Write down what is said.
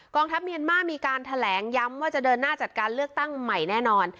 ทัพเมียนมาร์มีการแถลงย้ำว่าจะเดินหน้าจัดการเลือกตั้งใหม่แน่นอน